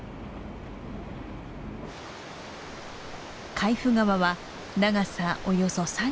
海部川は長さおよそ３６キロ。